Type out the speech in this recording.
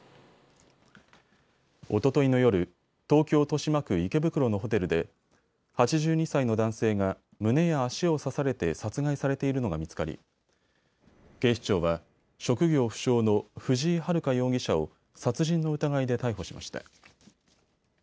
おとといの夜、東京豊島区池袋のホテルで８２歳の男性が胸や足を刺されて殺害されているのが見つかり警視庁は職業不詳の藤井遥容疑者を殺人の疑いで逮捕しました。